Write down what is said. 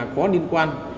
có liên quan